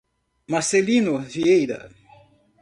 Marcelino Vieira